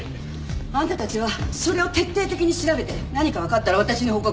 あんたたちはそれを徹底的に調べて何かわかったら私に報告。